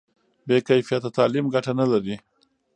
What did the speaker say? بې کیفیته تعلیم ګټه نه لري.